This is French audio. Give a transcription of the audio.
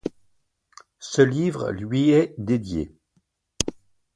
Ce livre lui est dédié.